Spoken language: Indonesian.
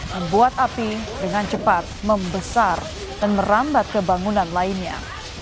membuat api dengan cepat membesar dan merambat ke bangunan lainnya